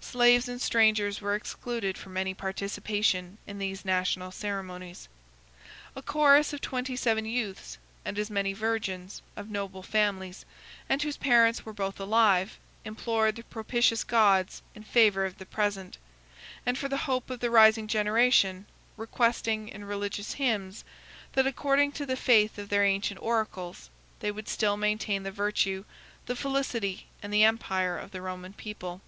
Slaves and strangers were excluded from any participation in these national ceremonies. A chorus of twenty seven youths, and as many virgins, of noble families, and whose parents were both alive, implored the propitious gods in favor of the present, and for the hope of the rising generation; requesting, in religious hymns, that according to the faith of their ancient oracles, they would still maintain the virtue, the felicity, and the empire of the Roman people.